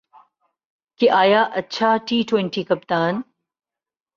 کہ آیا اچھا ٹی ٹؤنٹی کپتان